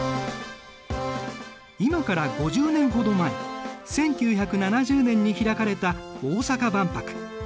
今から５０年ほど前１９７０年に開かれた大阪万博。